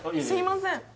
すいません